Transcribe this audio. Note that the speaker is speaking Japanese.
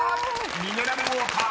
「ミネラルウォーター」